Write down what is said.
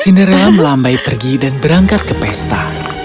cinderella melambai pergi dan berangkat ke pesta